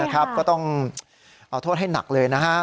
ก็ต้องเอาโทษให้หนักเลยนะฮะ